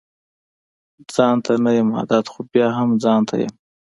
ځانته نه يم عادت خو بيا هم ځانته يم